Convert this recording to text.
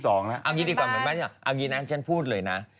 ตอนนี้เป็นบ้านที่สองนะ